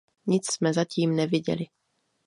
Nic jsme zatím neviděli.